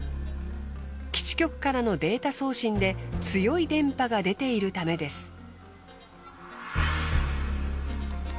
基地局からのデータ送信で強い電波が出ているためです。